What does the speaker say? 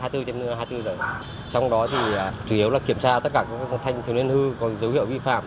trong đó thì chủ yếu là kiểm tra tất cả các thanh thiếu niên hư có dấu hiệu vi phạm